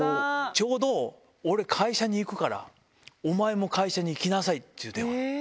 ちょうど、俺、会社に行くから、お前も会社に来なさいっていう電話。